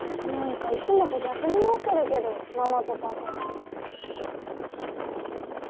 なんかいつもと逆になってるけどママとパパ。